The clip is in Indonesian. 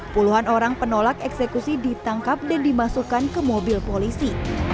puluhan orang penolak eksekusi ditangkap dan dimasukkan ke mobil polisi